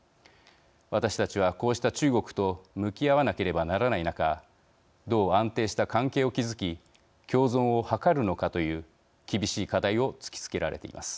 私たちはこうした中国と向き合わなければならない中どう安定した関係を築き共存を図るのかという厳しい課題を突きつけられています。